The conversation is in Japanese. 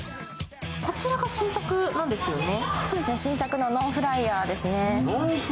こちらが新作なんですよね？